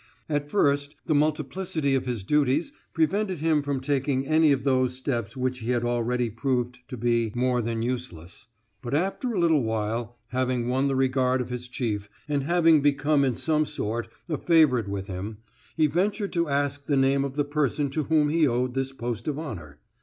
At first the multiplicity of his duties prevented him from taking any of those steps which he had already proved to be more than useless, but after a little while, having won the regard of his chief and having become in some sort a favorite with him, he ventured to ask the name of the person to whom he owed this post of honor.